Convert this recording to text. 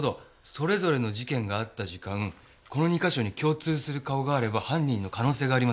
それぞれの事件があった時間この２か所に共通する顔があれば犯人の可能性がありますね。